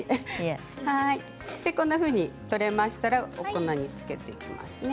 こんなふうに取れましたらお粉につけていきますね。